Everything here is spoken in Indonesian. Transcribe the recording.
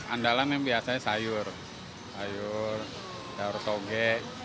andalan yang biasanya sayur sayur daur soge